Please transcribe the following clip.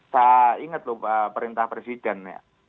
saya ingat lho pak perintah presiden ya